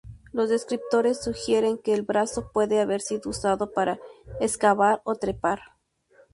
Los descriptores sugieren que el brazo puede haber sido usado para excavar o trepar.